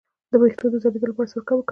د ویښتو د ځلیدو لپاره سرکه وکاروئ